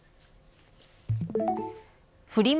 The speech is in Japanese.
フリマ